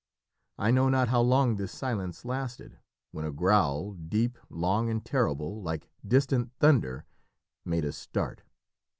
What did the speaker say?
I know not how long this silence lasted, when a growl, deep, long, and terrible, like distant thunder, made us start.